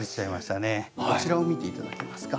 こちらを見て頂けますか？